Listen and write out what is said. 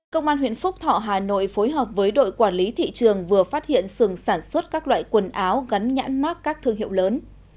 công an huyện phúc thọ hà nội phối hợp với đội quản lý thị trường vừa phát hiện sừng sản xuất các loại quần áo gắn nhãn mắc các thương hiệu lớn